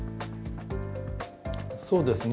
そうですね。